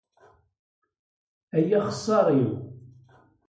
Ay axeṣṣaṛ-iw!